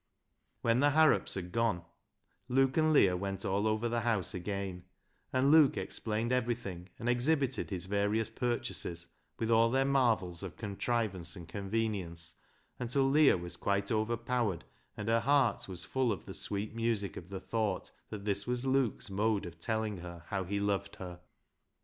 When the Harrops had gone, Luke and Leah went all over the house again, and Luke explained everything, and exhibited his various purchases, with all their marvels of contrivance io8 BECKSIDE LIGHTS and convenience, until Leah was quite over powered, and her heart was full of the sweet music of the thought that this was Luke's mode of telling her how he loved her.